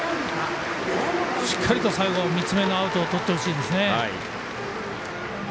しっかりと最後、３つ目のアウトとってほしいですね。